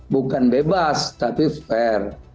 bukan bebas tapi fair